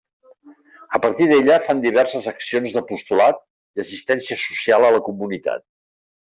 A partir d'ella, fan diverses accions d'apostolat i assistència social a la comunitat.